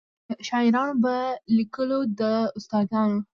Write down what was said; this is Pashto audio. شاعرانو به لیکلو داستانونه.